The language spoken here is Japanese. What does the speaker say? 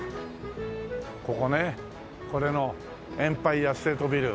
ここねこれのエンパイア・ステート・ビル。